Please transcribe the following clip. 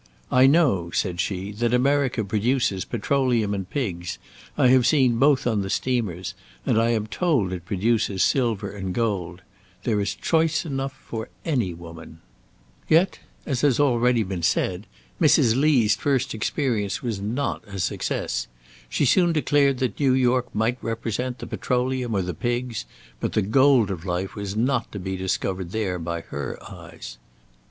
"I know," said she, "that America produces petroleum and pigs; I have seen both on the steamers; and I am told it produces silver and gold. There is choice enough for any woman." Yet, as has been already said, Mrs. Lee's first experience was not a success. She soon declared that New York might represent the petroleum or the pigs, but the gold of life was not to be discovered there by her eyes.